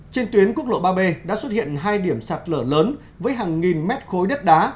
trên tuyến quốc lộ ba b đã xuất hiện hai điểm sạt lở lớn với hàng nghìn mét khối đất đá